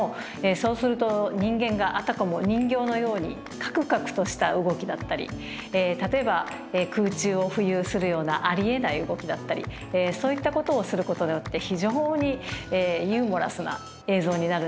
そうすると人間があたかも人形のようにカクカクとした動きだったり例えば空中を浮遊するようなありえない動きだったりそういったことをすることであって非常にユーモラスな映像になるんですね。